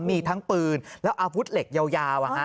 มีทั้งปืนและอาวุธเหล็กยาว